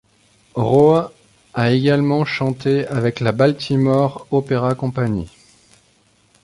Rowe a également chanté avec la Baltimore Opera Company.